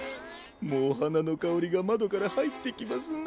もうはなのかおりがまどからはいってきますな。